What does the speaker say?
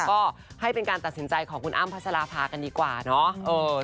ก็ให้เป็นการตัดสินใจของคุณอ้ำพัชราภากันดีกว่าเนาะ